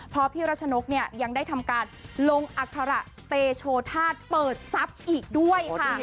เพราะพี่รัชนกเนี่ยยังได้ทำการลงอัคระเตโชธาตุเปิดทรัพย์อีกด้วยค่ะ